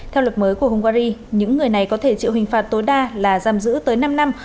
theo luật mới của hungary những người này có thể chịu hình phạt tối đa là giam giữ tới năm năm